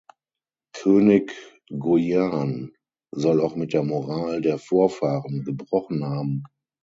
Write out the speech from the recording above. König Goujian soll auch mit der Moral der Vorfahren gebrochen haben.